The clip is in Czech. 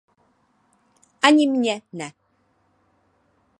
Ani mě ne.